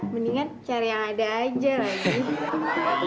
mendingan cari yang ada aja lah